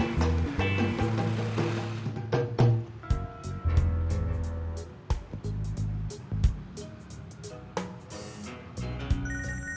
ktp di dalamnya juga ini